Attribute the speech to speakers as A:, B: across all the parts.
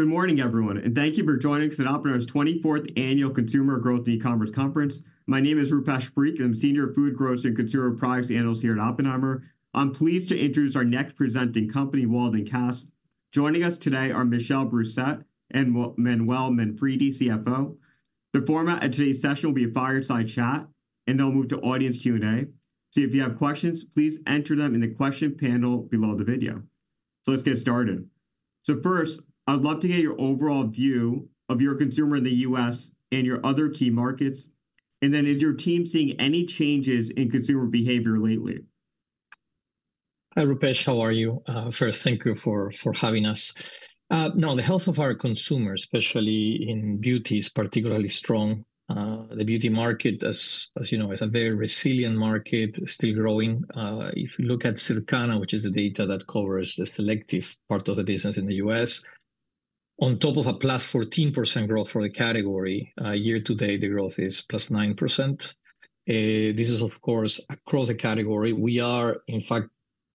A: Good morning, everyone, and thank you for joining Oppenheimer's 24th Annual Consumer Growth and E-Commerce Conference. My name is Rupesh Parikh. I'm Senior Food, Grocery and Consumer Products Analyst here at Oppenheimer. I'm pleased to introduce our next presenting company, Waldencast. Joining us today are Michel Brousset and Manuel Manfredi, CFO. The format of today's session will be a fireside chat, and then we'll move to audience Q&A. So if you have questions, please enter them in the question panel below the video. Let's get started. First, I'd love to get your overall view of your consumer in the U.S. and your other key markets, and then is your team seeing any changes in consumer behavior lately?
B: Hi, Rupesh. How are you? First, thank you for having us. No, the health of our consumers, especially in beauty, is particularly strong. The beauty market, as you know, is a very resilient market, still growing. If you look at Circana, which is the data that covers the selective part of the business in the U.S., on top of a +14% growth for the category, year to date, the growth is +9%. This is, of course, across the category. We are, in fact,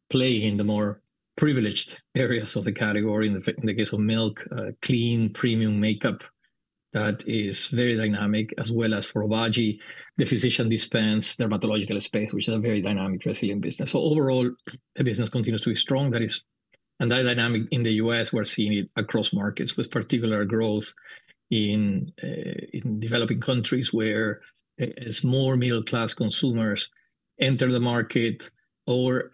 B: playing in the more privileged areas of the category, in the case of Milk, clean, premium makeup that is very dynamic, as well as for Obagi, the Physician Dispense dermatological space, which is a very dynamic, resilient business. So overall, the business continues to be strong, that is... That dynamic in the U.S., we're seeing it across markets, with particular growth in developing countries, where as more middle-class consumers enter the market or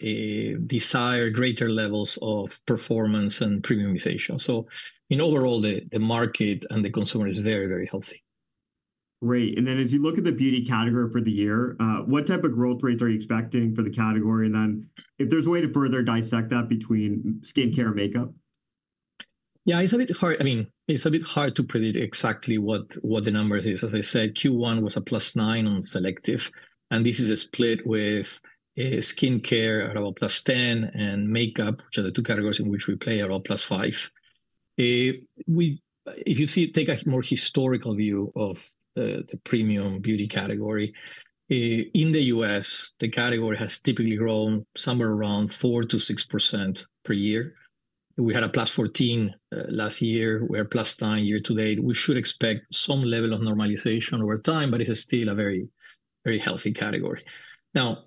B: desire greater levels of performance and premiumization. So in overall, the market and the consumer is very, very healthy.
A: Great. As you look at the beauty category for the year, what type of growth rates are you expecting for the category? If there's a way to further dissect that between skincare and makeup.
B: Yeah, it's a bit hard. I mean, it's a bit hard to predict exactly what, what the numbers is. As I said, Q1 was +9% on selective, and this is a split with skincare around about +10%, and makeup, which are the two categories in which we play, around +5%. We if you see, take a more historical view of the premium beauty category in the U.S., the category has typically grown somewhere around 4%-6% per year. We had +14% last year. We're +9% year to date. We should expect some level of normalization over time, but it is still a very, very healthy category. Now,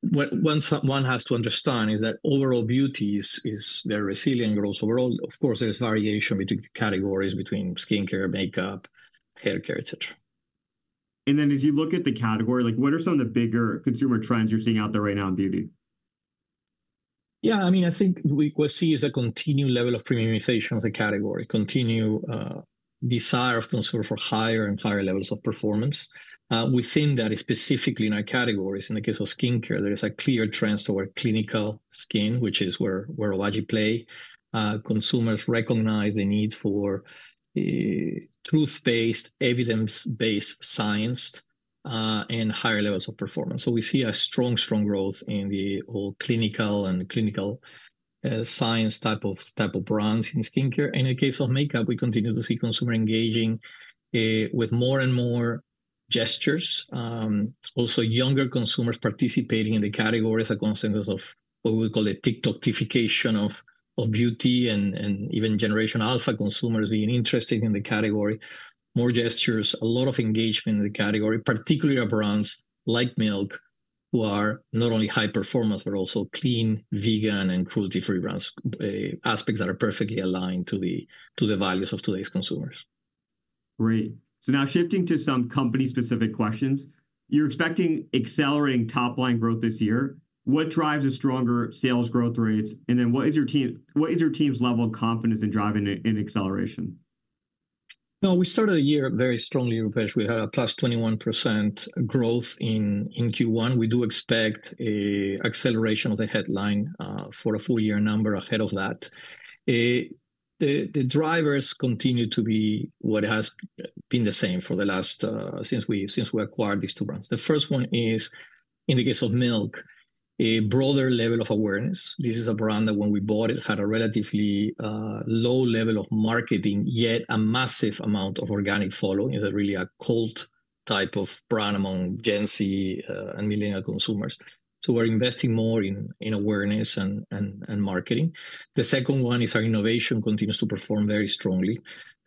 B: what one has to understand is that overall beauty is very resilient growth overall. Of course, there's variation between categories, between skincare, makeup, haircare, et cetera.
A: Then as you look at the category, like, what are some of the bigger consumer trends you're seeing out there right now in beauty?
B: Yeah, I mean, I think what we see is a continued level of premiumization of the category, continued desire of consumer for higher and higher levels of performance. Within that, specifically in our categories, in the case of skincare, there is a clear trend toward clinical skin, which is where Obagi play. Consumers recognize the need for truth-based, evidence-based science and higher levels of performance. So we see a strong growth in the whole clinical science type of brands in skincare. In the case of makeup, we continue to see consumer engaging with more and more gestures. Also, younger consumers participating in the category as a consequence of what we call a TikTokification of beauty and even Generation Alpha consumers being interested in the category. More gestures, a lot of engagement in the category, particularly of brands like Milk, who are not only high performance, but also clean, vegan, and cruelty-free brands, aspects that are perfectly aligned to the values of today's consumers.
A: Great. So now shifting to some company-specific questions, you're expecting accelerating top-line growth this year. What drives the stronger sales growth rates? And then what is your team's level of confidence in driving a, an acceleration?
B: No, we started the year very strongly, Rupesh. We had a plus 21% growth in Q1. We do expect an acceleration of the headline for a full year number ahead of that. The drivers continue to be what has been the same for the last since we acquired these two brands. The first one is, in the case of Milk, a broader level of awareness. This is a brand that, when we bought it, had a relatively low level of marketing, yet a massive amount of organic following. It's really a cult type of brand among Gen Z and millennial consumers. So we're investing more in awareness and marketing. The second one is our innovation continues to perform very strongly.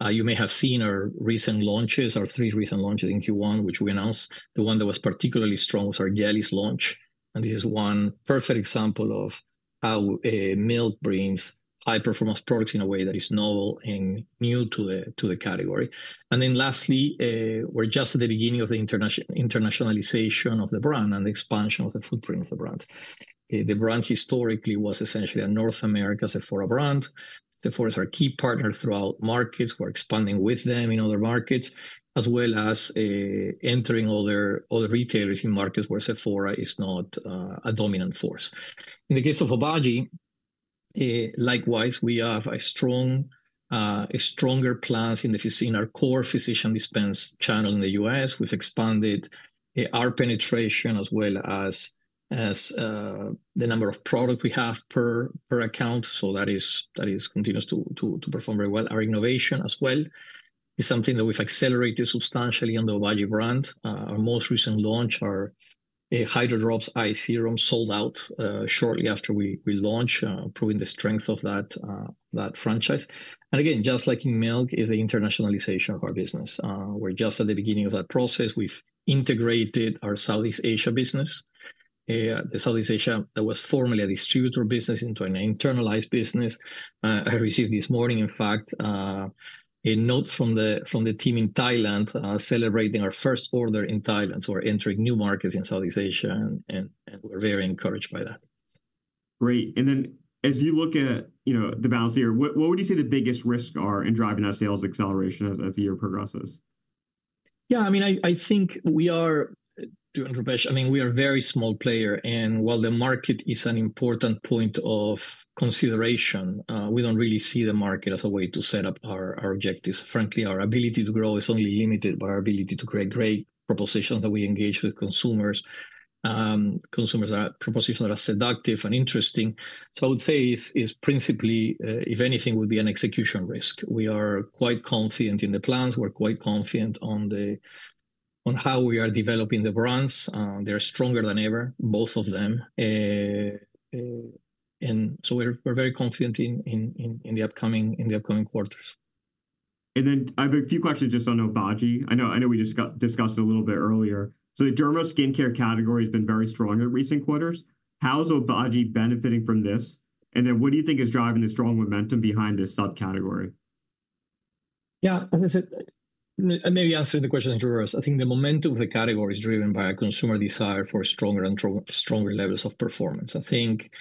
B: You may have seen our recent launches, our three recent launches in Q1, which we announced. The one that was particularly strong was our Jellies launch, and this is one perfect example of how Milk brings high-performance products in a way that is novel and new to the category. Then lastly, we're just at the beginning of the internationalization of the brand and the expansion of the footprint of the brand. The brand historically was essentially a North America Sephora brand. Sephora is our key partner throughout markets. We're expanding with them in other markets, as well as entering other retailers in markets where Sephora is not a dominant force. In the case of Obagi, likewise, we have stronger plans in our core physician dispense channel in the U.S. We've expanded our penetration as well as the number of product we have per account, so that continues to perform very well. Our innovation as well is something that we've accelerated substantially on the Obagi brand. Our most recent launch, our Hydro Drops Eye Serum, sold out shortly after we launched, proving the strength of that franchise. And again, just like in Milk, is the internationalization of our business. We're just at the beginning of that process. We've integrated our Southeast Asia business, the Southeast Asia that was formerly a distributor business, into an internalized business. I received this morning, in fact, a note from the team in Thailand celebrating our first order in Thailand, so we're entering new markets in Southeast Asia, and we're very encouraged by that.
A: Great, and then as you look at, you know, the balance here, what would you say the biggest risks are in driving that sales acceleration as the year progresses?
B: Yeah, I mean, I think we are, to interpretation, I mean, we are a very small player, and while the market is an important point of consideration, we don't really see the market as a way to set up our objectives. Frankly, our ability to grow is only limited by our ability to create great propositions that we engage with consumers. Propositions that are seductive and interesting. So I would say principally, if anything, would be an execution risk. We are quite confident in the plans, we're quite confident on how we are developing the brands. They're stronger than ever, both of them, and so we're very confident in the upcoming quarters.
A: I have a few questions just on Obagi. I know, I know we just discussed a little bit earlier. The derma skincare category has been very strong in recent quarters. How is Obagi benefiting from this? And then what do you think is driving the strong momentum behind this subcategory?
B: Yeah, as I said, maybe answer the question in reverse. I think the momentum of the category is driven by a consumer desire for stronger and stronger levels of performance. I think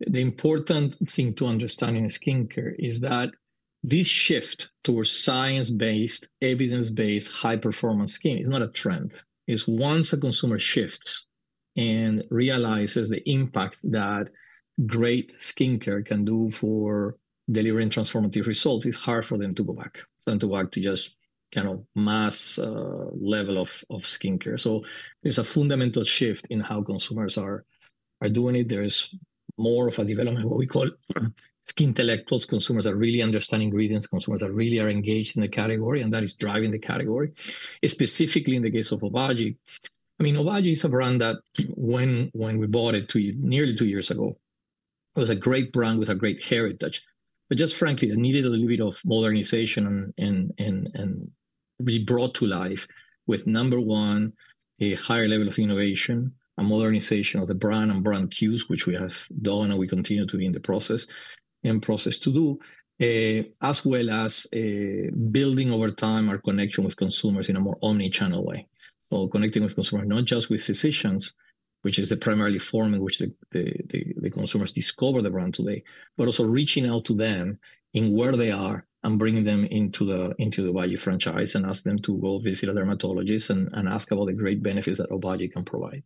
B: the important thing to understand in skincare is that this shift towards science-based, evidence-based, high-performance skin is not a trend. It's once a consumer shifts and realizes the impact that great skincare can do for delivering transformative results, it's hard for them to go back, than to work to just kind of mass level of skincare. So there's a fundamental shift in how consumers are doing it. There's more of a development, what we call Skin Intellectuals, consumers that really understand ingredients, consumers that really are engaged in the category, and that is driving the category, and specifically in the case of Obagi. I mean, Obagi is a brand that when we bought it 2, nearly 2 years ago, it was a great brand with a great heritage, but just frankly, it needed a little bit of modernization and be brought to life with, number one, a higher level of innovation, a modernization of the brand and brand cues, which we have done, and we continue to be in the process to do. As well as building over time our connection with consumers in a more omni-channel way. So connecting with consumers, not just with physicians, which is the primary form in which the consumers discover the brand today, but also reaching out to them in where they are and bringing them into the Obagi franchise, and ask them to go visit a dermatologist and ask about the great benefits that Obagi can provide.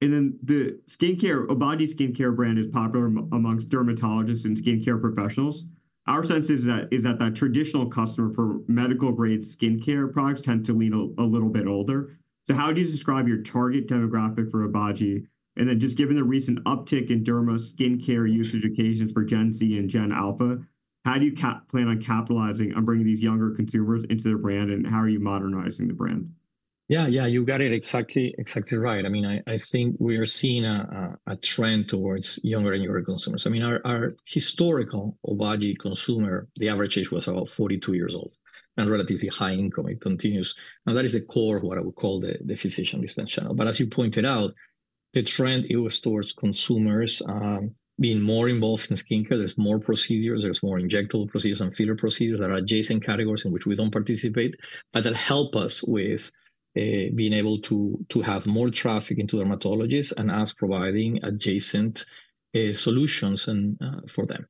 A: The skincare, Obagi skincare brand is popular among dermatologists and skincare professionals. Our sense is that that traditional customer for medical-grade skincare products tend to lean a little bit older. So how do you describe your target demographic for Obagi? And then just given the recent uptick in derma skincare usage occasions for Gen Z and Gen Alpha, how do you plan on capitalizing on bringing these younger consumers into the brand, and how are you modernizing the brand?
B: Yeah, yeah, you got it exactly, exactly right. I mean, I think we are seeing a trend towards younger and younger consumers. I mean, our historical Obagi consumer, the average age was about 42 years old and relatively high income. It continues, and that is the core of what I would call the physician dispense channel. But as you pointed out, the trend was towards consumers being more involved in skincare. There's more procedures, there's more injectable procedures and filler procedures that are adjacent categories in which we don't participate, but that help us with being able to have more traffic into dermatologists and us providing adjacent solutions and for them.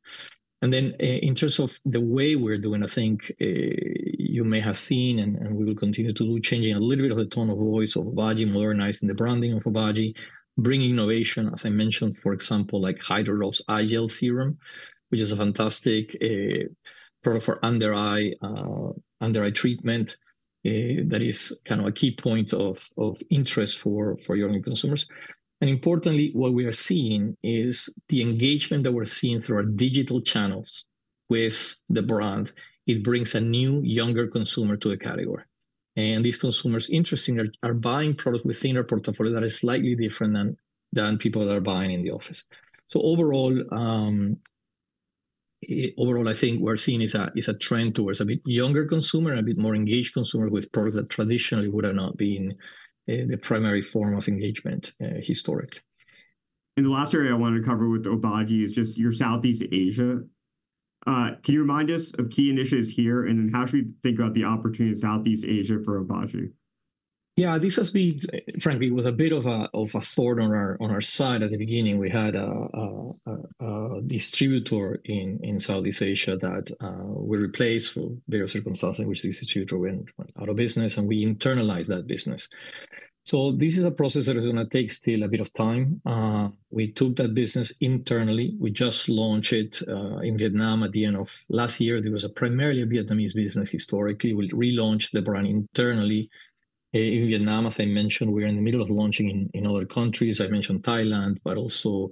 B: Then in terms of the way we're doing, I think, you may have seen, and we will continue to do, changing a little bit of the tone of voice of Obagi, modernizing the branding of Obagi, bringing innovation, as I mentioned, for example, like Hydro Drops Eye Gel Serum, which is a fantastic product for under-eye treatment. That is kind of a key point of interest for younger consumers. And importantly, what we are seeing is the engagement that we're seeing through our digital channels with the brand; it brings a new, younger consumer to the category. And these consumers, interestingly, are buying products within our portfolio that is slightly different than people that are buying in the office. So overall, overall, I think we're seeing a trend towards a bit younger consumer and a bit more engaged consumer with products that traditionally would have not been the primary form of engagement historically.
A: The last area I wanted to cover with Obagi is just your Southeast Asia. Can you remind us of key initiatives here, and then how should we think about the opportunity in Southeast Asia for Obagi?
B: Yeah, this has been, frankly, it was a bit of a thorn on our side at the beginning. We had a distributor in Southeast Asia that we replaced for various circumstances in which the distributor went out of business, and we internalized that business. So this is a process that is gonna take still a bit of time. We took that business internally. We just launched it in Vietnam at the end of last year. There was a primarily Vietnamese business historically. We relaunched the brand internally in Vietnam, as I mentioned, we're in the middle of launching in other countries. I mentioned Thailand, but also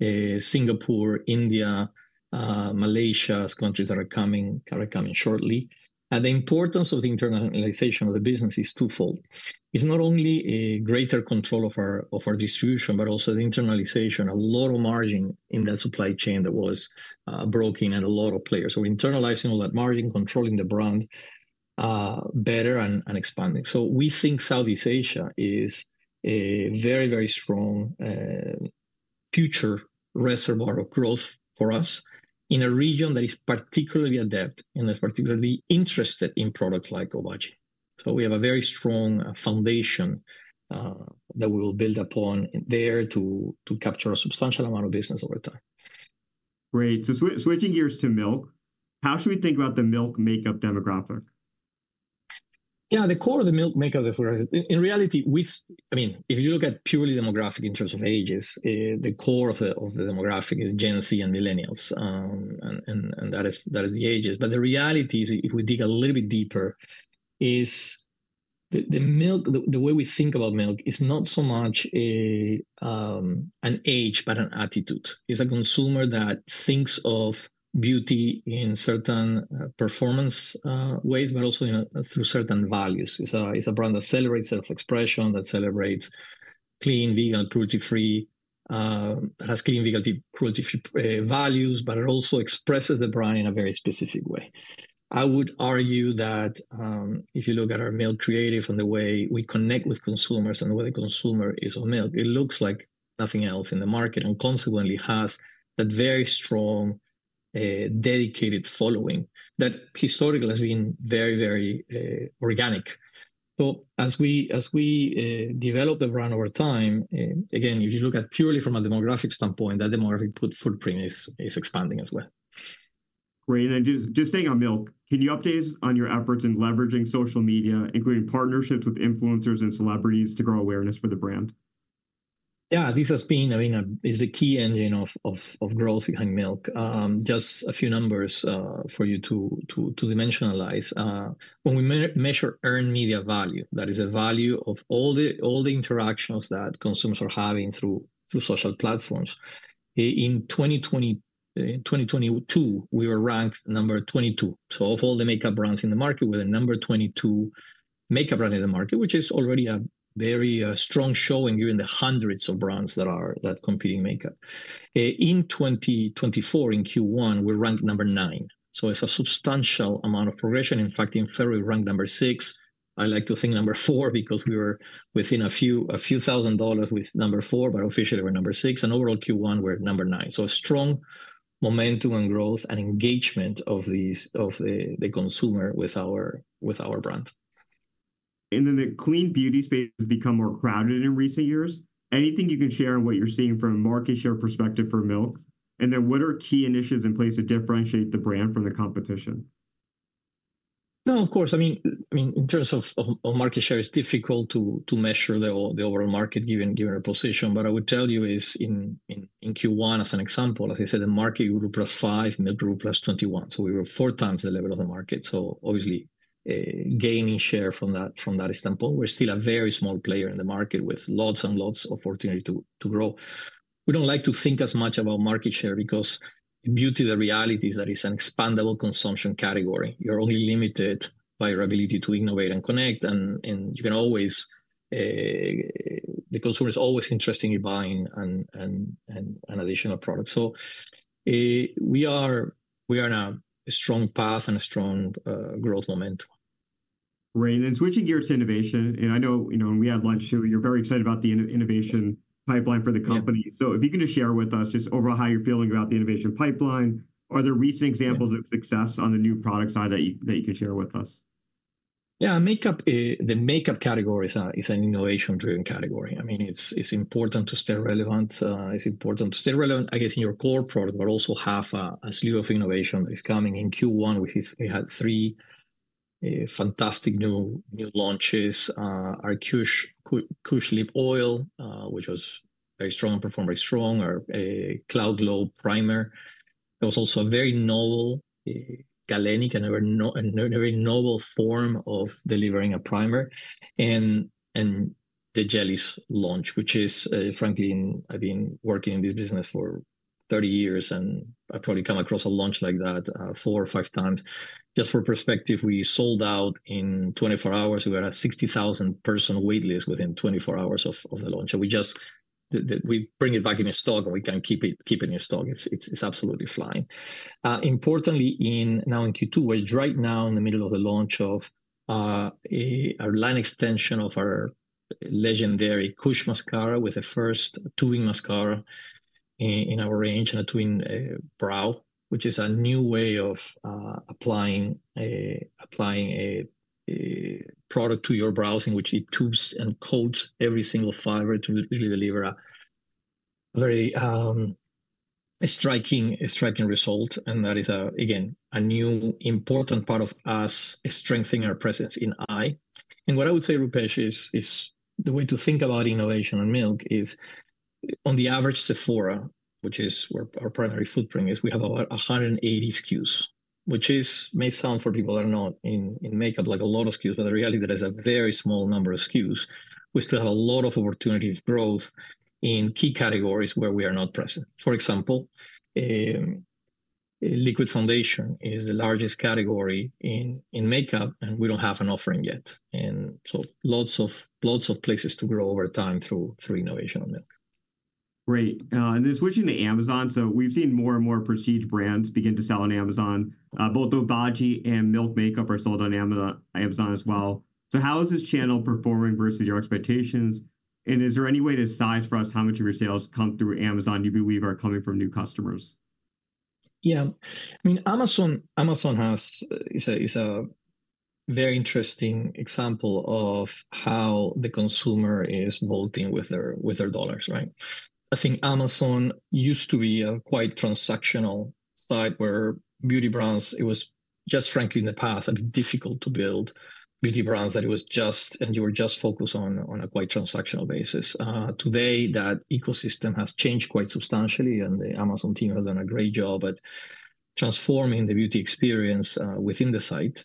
B: Singapore, India, Malaysia, as countries that are coming shortly. And the importance of the internationalization of the business is twofold. It's not only a greater control of our distribution, but also the internalization, a lot of margin in that supply chain that was broken and a lot of players. So internalizing all that margin, controlling the brand better and expanding. So we think Southeast Asia is a very, very strong future reservoir of growth for us in a region that is particularly adept and is particularly interested in products like Obagi. So we have a very strong foundation that we'll build upon there to capture a substantial amount of business over time.
A: Great. So switching gears to Milk, how should we think about the Milk Makeup demographic?
B: Yeah, the core of the Milk Makeup is where... In reality, I mean, if you look at purely demographic in terms of ages, the core of the demographic is Gen Z and Millennials. And that is the ages. But the reality, if we dig a little bit deeper, is the Milk, the way we think about Milk is not so much an age, but an attitude. It's a consumer that thinks of beauty in certain performance ways, but also through certain values. It's a brand that celebrates self-expression, that celebrates clean, vegan, cruelty-free, has clean, cruelty-free values, but it also expresses the brand in a very specific way. I would argue that, if you look at our Milk creative and the way we connect with consumers and the way the consumer is on Milk, it looks like nothing else in the market, and consequently has that very strong, dedicated following, that historically has been very, very, organic. So as we develop the brand over time, again, if you look at purely from a demographic standpoint, that demographic footprint is expanding as well.
A: Great. Just staying on Milk, can you update us on your efforts in leveraging social media, including partnerships with influencers and celebrities to grow awareness for the brand?
B: Yeah, this has been, I mean, is the key engine of growth behind Milk. Just a few numbers for you to dimensionalize. When we measure earned media value, that is the value of all the interactions that consumers are having through social platforms, in 2022, we were ranked number 22. So of all the makeup brands in the market, we're the number 22 makeup brand in the market, which is already a very strong showing, given the hundreds of brands that compete in makeup. In 2024, in Q1, we're ranked number 9, so it's a substantial amount of progression. In fact, in February, we ranked number 6. I like to think number 4, because we were within a few thousand dollars with number 4, but officially we're number 6, and overall Q1, we're number 9. So a strong momentum and growth and engagement of these, of the consumer with our brand.
A: The clean beauty space has become more crowded in recent years. Anything you can share on what you're seeing from a market share perspective for Milk? What are key initiatives in place to differentiate the brand from the competition?
B: No, of course, I mean, in terms of of market share, it's difficult to measure the overall market, given our position. What I would tell you is in Q1, as an example, as I said, the market grew plus five, Milk grew plus 21, so we were four times the level of the market. So obviously, gaining share from that standpoint. We're still a very small player in the market, with lots and lots of opportunity to grow. We don't like to think as much about market share, because in beauty, the reality is that it's an expandable consumption category. You're only limited by your ability to innovate and connect, and you can always the consumer is always interested in buying an additional product. We are on a strong path and a strong growth momentum.
A: Great. And switching gears to innovation, and I know, you know, when we had lunch too, you're very excited about the innovation pipeline for the company.
B: Yeah.
A: So if you can just share with us just overall how you're feeling about the innovation pipeline. Are there recent examples of success on the new product side that you can share with us?
B: Yeah, makeup, the makeup category is an innovation-driven category. I mean, it's important to stay relevant. It's important to stay relevant, I guess, in your core product, but also have a slew of innovation. It's coming in Q1, we had 3 fantastic new launches. Our KUSH Lip Oil, which was very strong, performed very strong. Our Cloud Glow Primer. It was also a very novel Galénic, and a very novel form of delivering a primer. And the Jellies launch, which is, frankly, I've been working in this business for 30 years, and I've probably come across a launch like that 4 or 5 times. Just for perspective, we sold out in 24 hours. We were at a 60,000-person waitlist within 24 hours of the launch. And we just we bring it back in stock, and we can keep it, keep it in stock. It's absolutely flying. Importantly, now in Q2, we're right now in the middle of the launch of a line extension of our legendary KUSH Mascara, with the first tubing mascara in our range, and a twin brow, which is a new way of applying a product to your brows, in which it tubes and coats every single fiber to really deliver a very striking result. And that is again a new important part of us strengthening our presence in eye. And what I would say, Rupesh, is the way to think about innovation in Milk is-... On the average Sephora, which is where our primary footprint is, we have about 180 SKUs, which may sound for people that are not in makeup like a lot of SKUs, but the reality, that is a very small number of SKUs. We still have a lot of opportunity of growth in key categories where we are not present. For example, liquid foundation is the largest category in makeup, and we don't have an offering yet, and so lots of places to grow over time through innovation on Milk.
A: Great. And then switching to Amazon, so we've seen more and more prestige brands begin to sell on Amazon. Both Obagi and Milk Makeup are sold on Amazon as well. So how is this channel performing versus your expectations? And is there any way to size for us how much of your sales come through Amazon, you believe are coming from new customers?
B: Yeah. I mean, Amazon, Amazon has... It's a, it's a very interesting example of how the consumer is voting with their, with their dollars, right? I think Amazon used to be a quite transactional site where beauty brands, it was just frankly, in the past, a bit difficult to build beauty brands, that it was just, and you were just focused on, on a quite transactional basis. Today, that ecosystem has changed quite substantially, and the Amazon team has done a great job at transforming the beauty experience, within the site.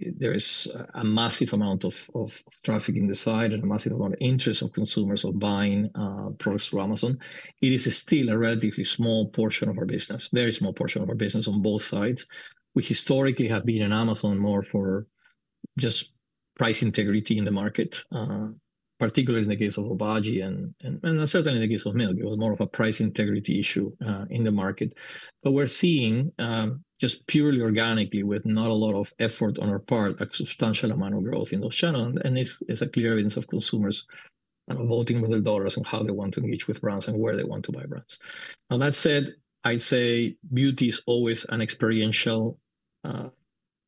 B: There is a, a massive amount of, of traffic in the site and a massive amount of interest of consumers of buying, products from Amazon. It is still a relatively small portion of our business, very small portion of our business on both sides, which historically have been on Amazon more for just price integrity in the market, particularly in the case of Obagi and certainly in the case of Milk. It was more of a price integrity issue in the market. But we're seeing just purely organically, with not a lot of effort on our part, a substantial amount of growth in those channels, and it's a clear evidence of consumers voting with their dollars on how they want to engage with brands and where they want to buy brands. Now, that said, I'd say beauty is always an experiential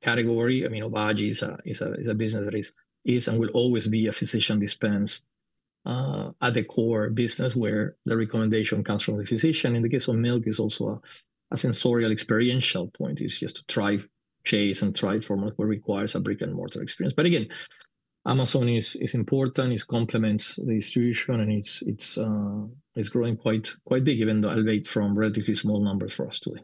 B: category. I mean, Obagi is a business that is and will always be a physician dispensed at the core business, where the recommendation comes from the physician. In the case of Milk, is also a sensorial experiential point. It's just to try, chase, and try for Milk, what requires a brick-and-mortar experience. But again, Amazon is important, it complements the distribution, and it's growing quite big, even though elevate from relatively small numbers for us today.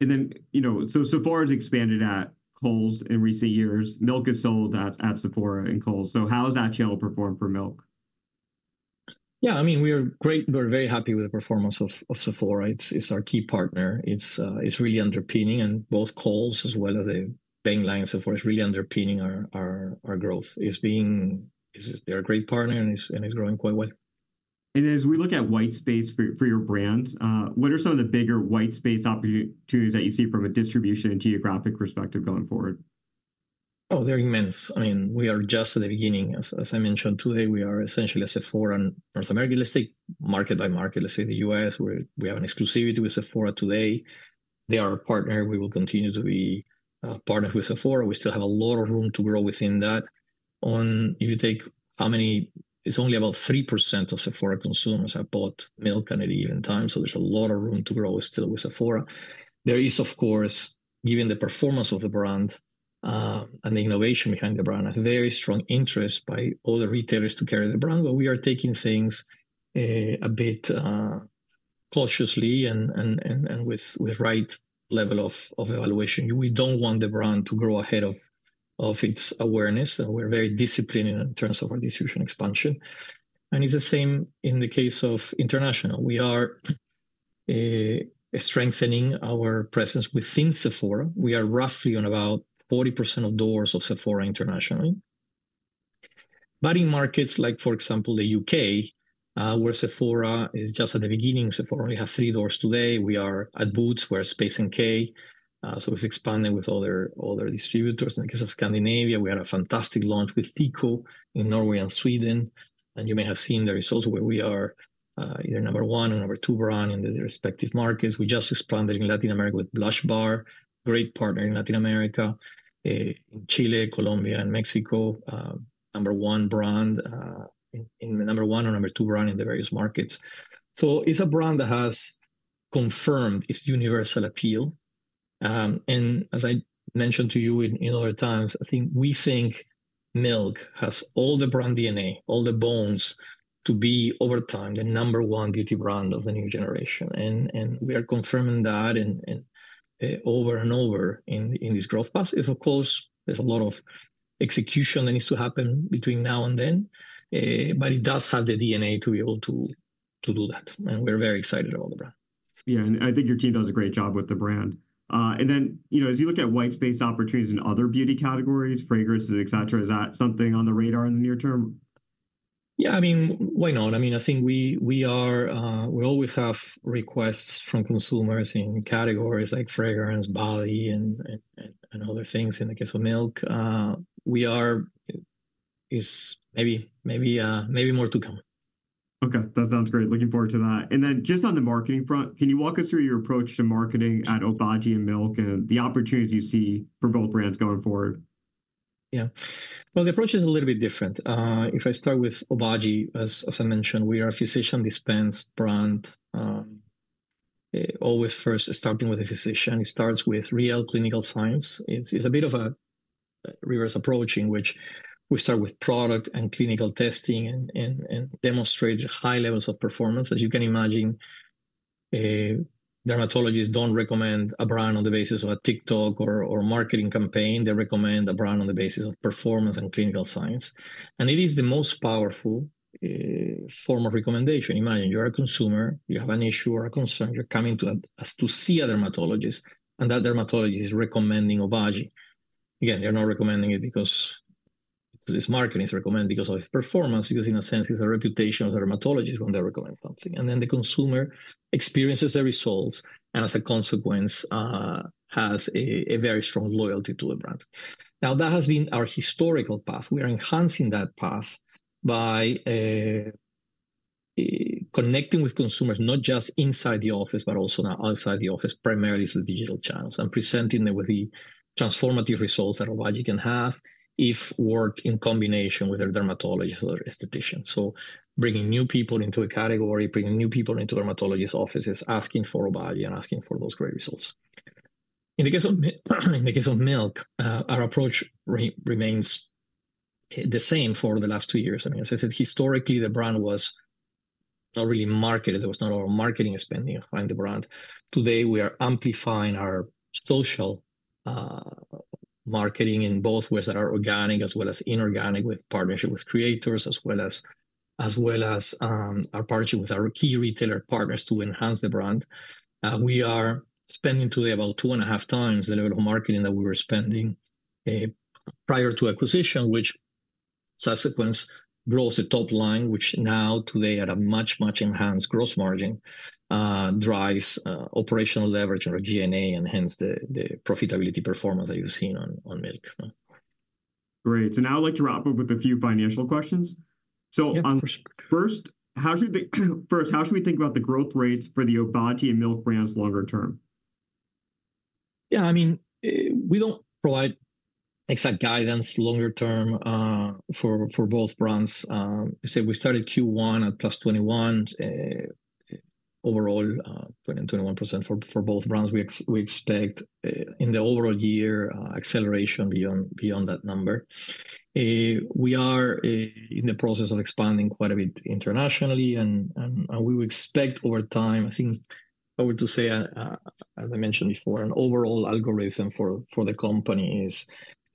A: Then, you know, so Sephora has expanded at Kohl's in recent years. Milk is sold at Sephora and Kohl's. How has that channel performed for Milk?
B: Yeah, I mean, we're very happy with the performance of Sephora. It's our key partner. It's really underpinning, and both Kohl's, as well as the online, Sephora is really underpinning our growth. They're a great partner and is growing quite well.
A: As we look at white space for your brands, what are some of the bigger white space opportunities that you see from a distribution and geographic perspective going forward?
B: Oh, they're immense. I mean, we are just at the beginning. As I mentioned today, we are essentially at Sephora in North America. Let's take market by market. Let's say the U.S., where we have an exclusivity with Sephora today. They are a partner. We will continue to be partners with Sephora. We still have a lot of room to grow within that. On... If you take how many, it's only about 3% of Sephora consumers have bought Milk and at even time, so there's a lot of room to grow still with Sephora. There is, of course, given the performance of the brand and the innovation behind the brand, a very strong interest by other retailers to carry the brand, but we are taking things a bit cautiously and with right level of evaluation. We don't want the brand to grow ahead of its awareness, so we're very disciplined in terms of our distribution expansion, and it's the same in the case of international. We are strengthening our presence within Sephora. We are roughly on about 40% of doors of Sephora internationally. But in markets like, for example, the U.K., where Sephora is just at the beginning, Sephora only have three doors today. We are at Boots, we're at Space NK. So we've expanded with other distributors. In the case of Scandinavia, we had a fantastic launch with Kiko in Norway and Sweden, and you may have seen the results where we are either number one or number two brand in the respective markets. We just expanded in Latin America with Blush-Bar, great partner in Latin America, in Chile, Colombia, and Mexico. Number 1 brand in the number 1 or number 2 brand in the various markets. So it's a brand that has confirmed its universal appeal. And as I mentioned to you in other times, I think we think Milk has all the brand DNA, all the bones to be, over time, the number 1 beauty brand of the new generation. And we are confirming that and over and over in this growth path. If, of course, there's a lot of execution that needs to happen between now and then, but it does have the DNA to be able to do that, and we're very excited about the brand.
A: Yeah, I think your team does a great job with the brand. Then, you know, as you look at white space opportunities in other beauty categories, fragrances, et cetera, is that something on the radar in the near term?
B: Yeah, I mean, why not? I mean, I think we always have requests from consumers in categories like fragrance, body, and other things. In the case of Milk, maybe more to come.
A: Okay, that sounds great. Looking forward to that. And then just on the marketing front, can you walk us through your approach to marketing at Obagi and Milk, and the opportunities you see for both brands going forward?
B: Yeah. Well, the approach is a little bit different. If I start with Obagi, as I mentioned, we are a physician dispense brand, always first starting with a physician. It starts with real clinical science. It's a bit of a reverse approach, in which we start with product and clinical testing and demonstrate high levels of performance. As you can imagine, dermatologists don't recommend a brand on the basis of a TikTok or marketing campaign, they recommend a brand on the basis of performance and clinical science, and it is the most powerful form of recommendation. Imagine you're a consumer, you have an issue or a concern, you're coming to us to see a dermatologist, and that dermatologist is recommending Obagi. Again, they're not recommending it because it's this marketing, it's recommended because of its performance. Because in a sense, it's a reputation of the dermatologist when they recommend something, and then the consumer experiences the results and as a consequence, has a very strong loyalty to the brand. Now, that has been our historical path. We are enhancing that path by connecting with consumers, not just inside the office, but also now outside the office, primarily through digital channels, and presenting them with the transformative results that Obagi can have if worked in combination with their dermatologist or aesthetician. So bringing new people into a category, bringing new people into dermatologist offices, asking for Obagi and asking for those great results. In the case of Milk, our approach remains the same for the last two years. I mean, as I said, historically, the brand was not really marketed, there was not a lot of marketing spending behind the brand. Today, we are amplifying our social marketing in both ways that are organic as well as inorganic, with partnership with creators, as well as our partnership with our key retailer partners to enhance the brand. We are spending today about 2.5 times the level of marketing that we were spending prior to acquisition, which subsequent grows the top line, which now today, at a much, much enhanced gross margin, drives operational leverage on our G&A, and hence, the profitability performance that you're seeing on Milk.
A: Great. Now I'd like to wrap up with a few financial questions.
B: Yeah, of course.
A: So, first, how should we think about the growth rates for the Obagi and Milk brands longer term?
B: Yeah, I mean, we don't provide exact guidance longer term for both brands. I say we started Q1 at +21 overall, 21% for both brands. We expect in the overall year acceleration beyond that number. We are in the process of expanding quite a bit internationally, and we would expect over time, I think, I would just say, as I mentioned before, an overall algorithm for the company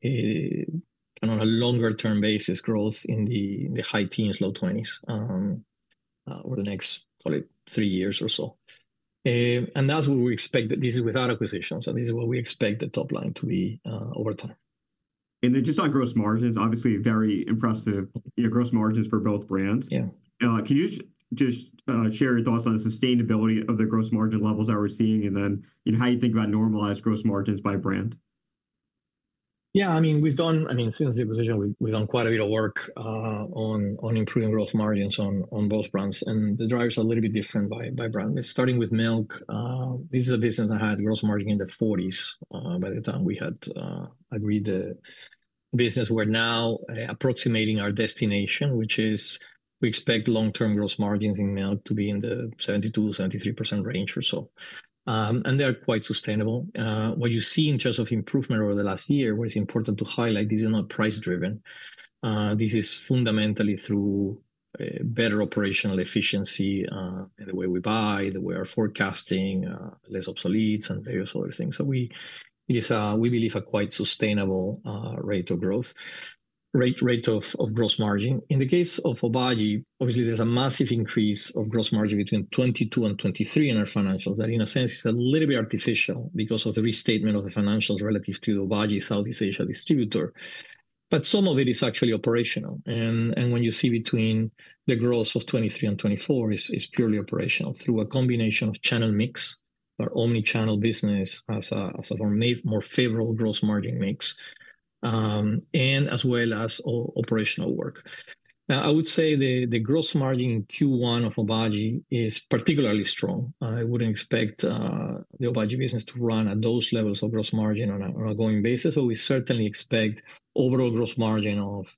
B: is on a longer term basis, growth in the high teens, low 20s over the next, call it, 3 years or so. And that's what we expect, this is without acquisitions, and this is what we expect the top line to be over time.
A: Just on gross margins, obviously, very impressive, your gross margins for both brands.
B: Yeah.
A: Can you just share your thoughts on the sustainability of the gross margin levels that we're seeing, and then, you know, how you think about normalized gross margins by brand?
B: Yeah, I mean, we've done quite a bit of work on improving gross margins on both brands, and the drivers are a little bit different by brand. Starting with Milk, this is a business that had gross margin in the 40s by the time we had acquired the business. We're now approximating our destination, which is, we expect long-term gross margins in Milk to be in the 72%-73% range or so. And they are quite sustainable. What you see in terms of improvement over the last year, what is important to highlight, this is not price-driven. This is fundamentally through better operational efficiency in the way we buy, the way we are forecasting, less obsoletes, and various other things. So we... It is, we believe, a quite sustainable rate of growth of gross margin. In the case of Obagi, obviously, there's a massive increase of gross margin between 2022 and 2023 in our financials. That, in a sense, is a little bit artificial because of the restatement of the financials relative to Obagi Southeast Asia distributor. But some of it is actually operational, and when you see between the growth of 2023 and 2024, is purely operational through a combination of channel mix, our Omni-channel business as a more favorable gross margin mix, and as well as operational work. Now, I would say the gross margin in Q1 of Obagi is particularly strong. I wouldn't expect the Obagi business to run at those levels of gross margin on a going basis, but we certainly expect overall gross margin of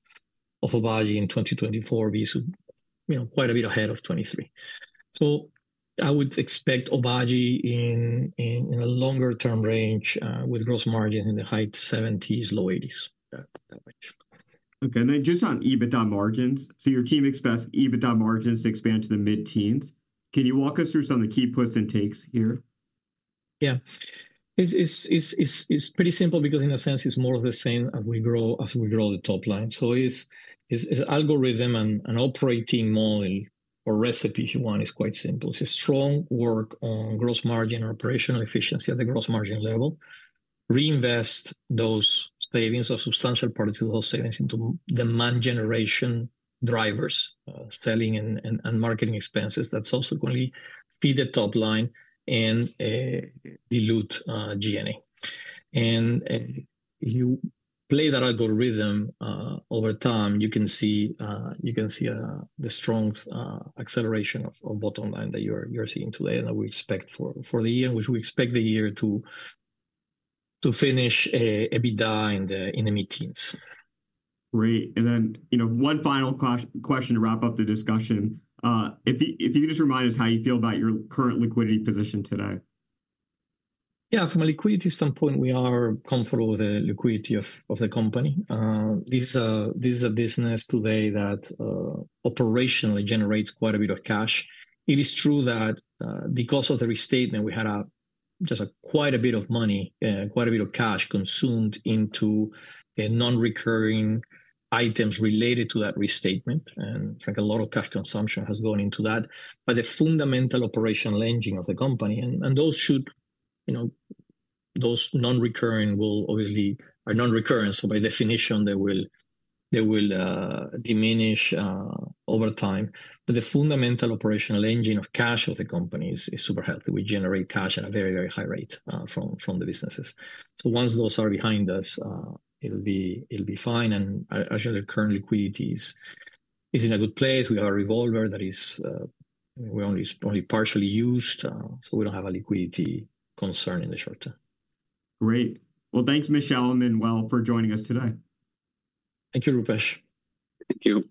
B: Obagi in 2024 to be, you know, quite a bit ahead of 2023. So I would expect Obagi in a longer term range with gross margin in the high 70s-low 80s. Yeah, that much.
A: Okay, and then just on EBITDA margins, so your team expects EBITDA margins to expand to the mid-teens. Can you walk us through some of the key puts and takes here?
B: Yeah. It's pretty simple because in a sense, it's more of the same as we grow the top line. So it's algorithm and operating model or recipe, if you want, is quite simple. It's a strong work on gross margin or operational efficiency at the gross margin level. Reinvest those savings or substantial parts of those savings into demand generation drivers, selling and marketing expenses that subsequently feed the top line and dilute G&A. And if you play that algorithm over time, you can see the strong acceleration of bottom line that you're seeing today and that we expect for the year, which we expect the year to finish EBITDA in the mid-teens.
A: Great. Then, you know, one final question to wrap up the discussion, if you can just remind us how you feel about your current liquidity position today?
B: Yeah, from a liquidity standpoint, we are comfortable with the liquidity of the company. This is a business today that operationally generates quite a bit of cash. It is true that because of the restatement, we had just a quite a bit of money, quite a bit of cash consumed into non-recurring items related to that restatement, and, like, a lot of cash consumption has gone into that. But the fundamental operational engine of the company and those... You know, those non-recurring will obviously, are non-recurring, so by definition, they will, they will, diminish over time. But the fundamental operational engine of cash of the company is super healthy. We generate cash at a very, very high rate from the businesses. So once those are behind us, it'll be fine, and I'm sure the current liquidity is in a good place. We have a revolver that is, well, only partially used, so we don't have a liquidity concern in the short term.
A: Great. Well, thank you, Michel and Manuel, for joining us today.
B: Thank you, Rupesh.
A: Thank you.